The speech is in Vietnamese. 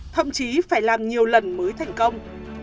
thậm chí phải làm nhiều lần mới thành công